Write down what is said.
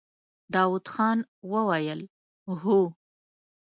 داوود خان وويل: هو!